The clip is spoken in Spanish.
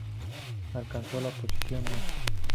Alcanzó la posición No.